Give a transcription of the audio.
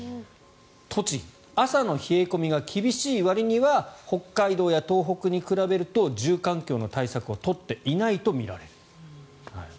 朝の冷え込みが厳しい割には北海道や東北に比べると住環境の対策を取っていないとみられる。